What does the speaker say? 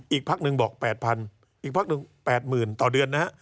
อีกพักหนึ่งบอก๘๐๐อีกพักหนึ่ง๘๐๐๐ต่อเดือนนะฮะ